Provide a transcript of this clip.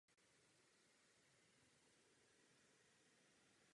Často se inspiruje uměleckými díly z různých období.